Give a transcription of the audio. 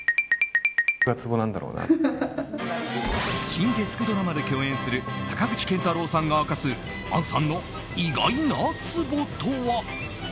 新月９ドラマで共演する坂口健太郎さんが明かす杏さんの意外なツボとは。